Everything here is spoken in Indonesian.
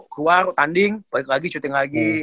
keluar tanding balik lagi syuting lagi